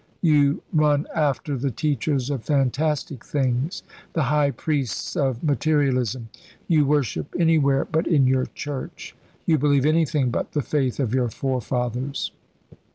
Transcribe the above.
You run after the teachers of fantastic things, the high priests of materialism. You worship anywhere but in your church; you believe anything but the faith of your forefathers."